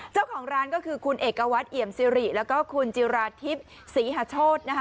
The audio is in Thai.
เจ้าของร้านก็คือคุณเอกวัตรเอี่ยมซิริแล้วก็คุณจิราทิพย์ศรีหาโชธนะคะ